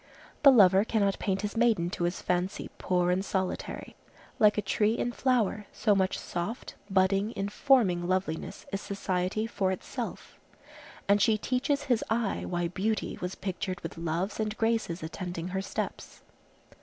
The lover cannot paint his maiden to his fancy poor and solitary. Like a tree in flower, so much soft, budding, informing loveliness is society for itself; and she teaches his eye why Beauty was pictured with Loves and Graces attending her steps.